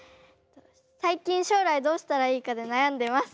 最近将来どうしたらいいかで悩んでます。